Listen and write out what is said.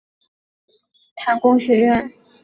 毕业于哈萨克斯坦工学院。